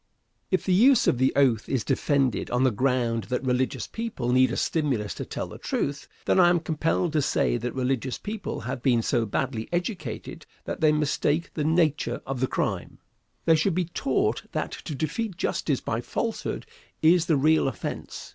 Answer. If the use of the oath is defended on the ground that religious people need a stimulus to tell the truth, then I am compelled to say that religious people have been so badly educated that they mistake the nature of the crime. They should be taught that to defeat justice by falsehood is the real offence.